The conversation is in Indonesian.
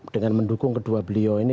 dengan mendukung kedua beliau ini